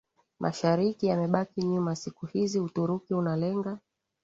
mashariki yamebaki nyuma Siku hizi Uturuki unalenga